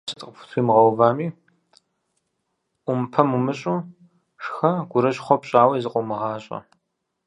Шхэ жиӏэу сыт къыпхутримыгъэувами – ӏумпэм умыщӏу, шхэ, гурыщхъуэ пщӏауи зыкъыумыгъащӏэ.